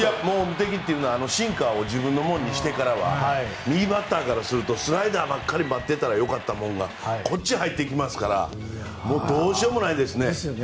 無敵というかシンカーを自分のものにしてからは右バッターからするとスライダーばっかり待ってたら良かったものがこっちに入ってきますからどうしようもないんですね。